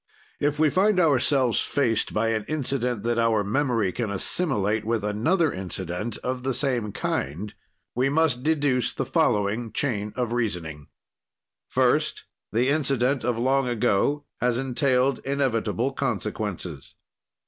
"If we find ourselves faced by an incident that our memory can assimilate with another incident of the same kind, we must deduce the following chain of reasoning: "First, the incident of long ago has entailed inevitable consequences.